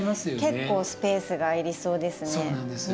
結構スペースがいりそうですね。